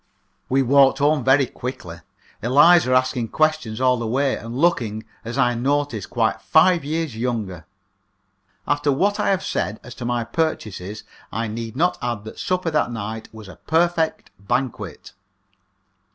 We walked home very quickly, Eliza asking questions all the way, and looking, as I noticed, quite five years younger. After what I have said as to my purchases, I need not add that supper that night was a perfect banquet.